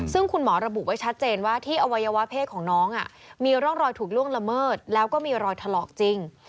ซึ่งคุณหมอระบุไว้ชัดเจนว่าที่อวัยวะเพศของน้องมีร่องรอยถูกล่วงละเมิดแล้วก็มีรอยถลอกจริง